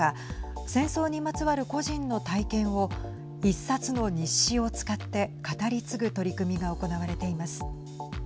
戦争にまつわる個人の体験を一冊の日誌を使って語り継ぐ取り組みが行われています。